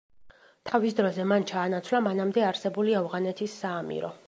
თავის დროზე, მან ჩაანაცვლა მანამდე არსებული ავღანეთის საამირო.